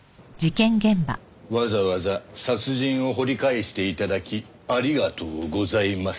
わざわざ殺人を掘り返して頂きありがとうございます。